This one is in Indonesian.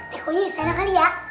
tekonya disana kali ya